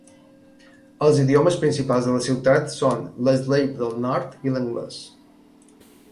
Els idiomes principals de la ciutat són l'slave del nord i l'anglès.